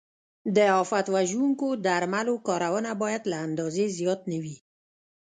د آفت وژونکو درملو کارونه باید له اندازې زیات نه وي.